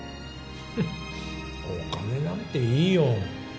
フッお金なんていいよ。